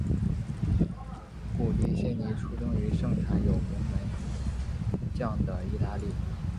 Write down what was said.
古迪仙尼出生于盛产有名门将的意大利。